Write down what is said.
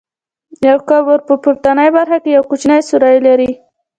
یو قبر په پورتنۍ برخه کې یو کوچنی سوری لري.